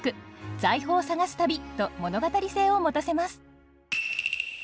「財宝探す旅」と物語性を持たせます。